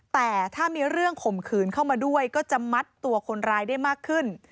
แต่ถ้ามีเรื่องข่มขืนเข้ามาด้วยก็จะมัดตัวคนร้ายได้มากขึ้น